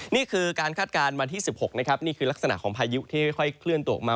นี่คือการคาดการณ์วันที่๑๖นะครับนี่คือลักษณะของพายุที่ค่อยเคลื่อนตัวออกมา